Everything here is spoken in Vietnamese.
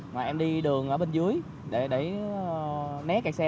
mà em đi đường ở bên dưới để né kẹt xe